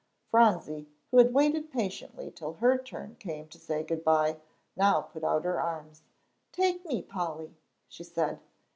Phronsie, who had waited patiently till her turn came to say good by, now put out her arms. "Take me, Polly," she said.